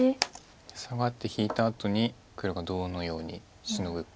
サガって引いたあとに黒がどのようにシノぐか。